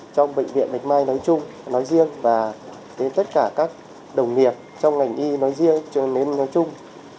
trong bệnh viện bạch mai nói chung nói riêng và đến tất cả các đồng nghiệp trong ngành y nói riêng nói chung